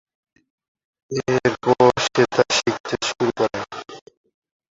এরপর সেতার শিখতে শুরু করেন।